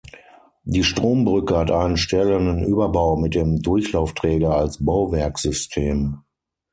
Die Strombrücke hat einen stählernen Überbau mit dem Durchlaufträger als Bauwerkssystem.